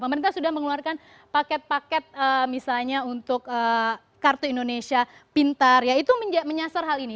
pemerintah sudah mengeluarkan paket paket misalnya untuk kartu indonesia pintar ya itu menyasar hal ini